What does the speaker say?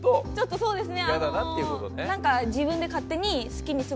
そうですね。